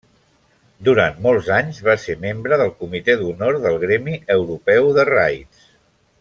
Durant molts anys va ser membre del Comitè d'Honor del gremi europeu de raids.